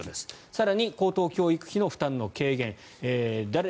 更に、高等教育費の負担の軽減